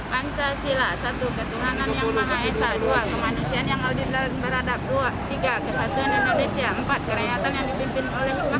pancasila satu ketunganan yang manahesa